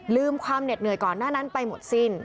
ลืมความเหน็ดเหนื่อยก่อนหน้านั้นไปหมดสิ้น